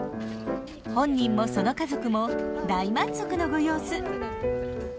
本人もその家族も大満足のご様子。